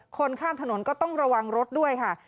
คนข้ามถนนก็ต้องระวังรถด้วยค่ะ